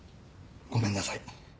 ごめんなさい。